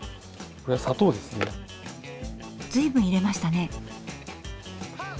随分入れましたね。